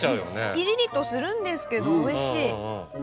ピリリとするんですけどおいしい。